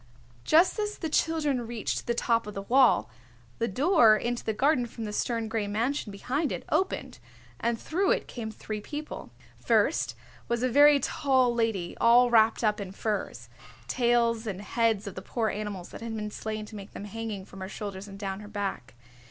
Just as the children reached the top of the wall, the door into the garden from the stern gray mansion behind it opened and through it came three people. First was a very tall lady all wrapped up in furs, tails and heads of the poor animals that had been slain to make them hanging from her shoulders and down her back.